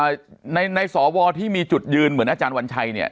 ในในสวที่มีจุดยืนเหมือนอาจารย์วัญชัยเนี่ย